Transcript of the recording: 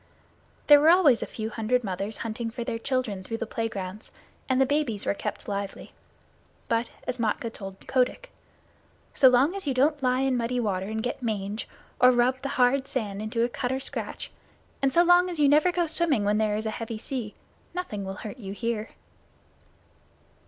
There were always a few hundred mothers hunting for their children through the playgrounds, and the babies were kept lively. But, as Matkah told Kotick, "So long as you don't lie in muddy water and get mange, or rub the hard sand into a cut or scratch, and so long as you never go swimming when there is a heavy sea, nothing will hurt you here."